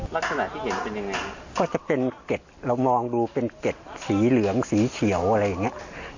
ลักษณะที่เห็นเป็นยังไงก็จะเป็นเก็ดเรามองดูเป็นเก็ดสีเหลืองสีเขียวอะไรอย่างเงี้ย